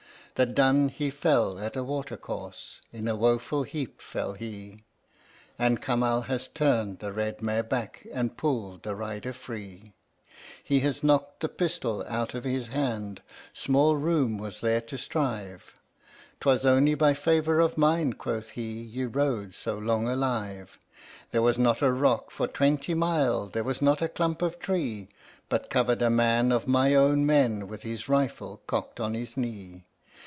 The dun he fell at a water course in a woful heap fell he, And Kamal has turned the red mare back, and pulled the rider free. He has knocked the pistol out of his hand small room was there to strive, "'Twas only by favour of mine," quoth he, "ye rode so long alive: There was not a rock for twenty mile, there was not a clump of tree, But covered a man of my own men with his rifle cocked on his knee.